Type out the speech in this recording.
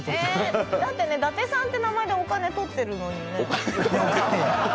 だって伊達さんって名前でお金取ってるのにね。